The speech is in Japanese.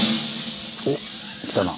おっ来たな。